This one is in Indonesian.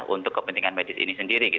untuk kepentingan medis ini sendiri